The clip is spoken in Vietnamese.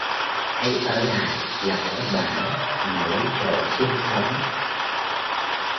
Hãy ở lại lập cái bản mà lấy chỗ sinh sống